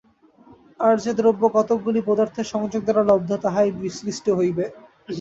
আর যে দ্রব্য কতকগুলি পদার্থের সংযোগ দ্বারা লব্ধ, তাহাই বিশ্লিষ্ট হইবে।